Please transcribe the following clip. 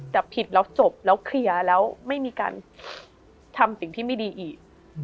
แต่ผิดแล้วจบแล้วเคลียร์แล้วไม่มีการทำสิ่งที่ไม่ดีอีก